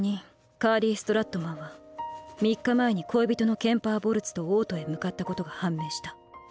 カーリー・ストラットマンは３日前に恋人のケンパー・ボルツと王都へ向かったことが判明した。